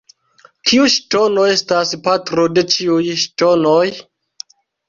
Kiu ŝtono estas patro de ĉiuj ŝtonoj?